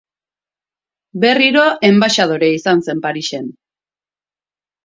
Berriro enbaxadore izan zen Parisen.